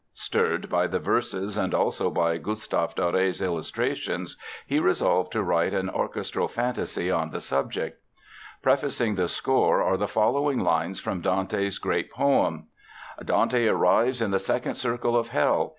Stirred by the verses and also by Gustave Doré's illustrations, he resolved to write an orchestral fantasy on the subject. Prefacing the score are the following lines from Dante's great poem: "Dante arrives in the second circle of hell.